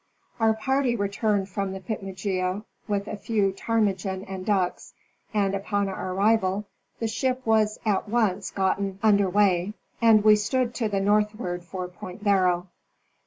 Our party returned from the Pitmegea with a few ptarmigan and ducks, and upon our arrival the ship was at once gotten under way and we stood to the northward for Point Barrow.